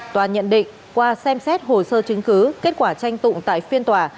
tòa nhận định qua xem xét hồ sơ chứng cứ kết quả tranh tụng tại phiên tòa